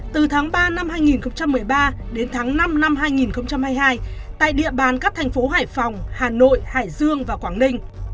từ tháng ba năm hai nghìn một mươi ba đến tháng năm năm hai nghìn hai mươi hai tại địa bàn các thành phố hải phòng hà nội hải dương và quảng ninh